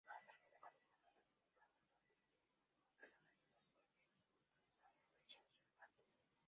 Cada tarjeta contenía notas indicando donde un personaje histórico había estado en fechas relevantes.